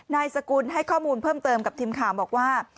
นายสกุลให้ข้อมูลเพิ่มเติมกับทีมข่าวบอกว่า